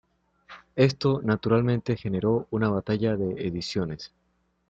Esto, naturalmente, generó una batalla de ediciones.